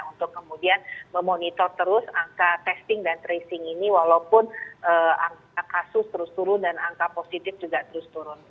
untuk kemudian memonitor terus angka testing dan tracing ini walaupun angka kasus terus turun dan angka positif juga terus turun